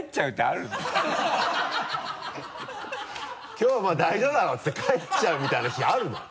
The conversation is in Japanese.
きょうはまぁ大丈夫だろうって言って帰っちゃうみたいな日あるの？